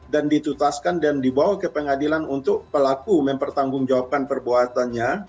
dan ditutaskan dan dibawa ke pengadilan untuk pelaku mempertanggungjawabkan perbuatannya